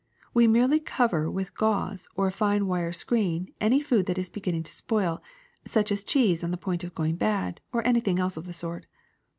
We merely cover with gauze or a fine wire screen any food that is beginning to spoil, such as cheese on the point of going bad, or anything else of the sort.